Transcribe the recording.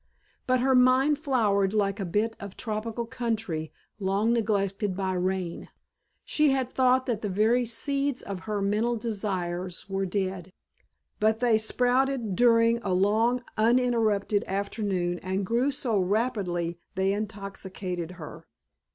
But her mind flowered like a bit of tropical country long neglected by rain. She had thought that the very seeds of her mental desires were dead, but they sprouted during a long uninterrupted afternoon and grew so rapidly they intoxicated her.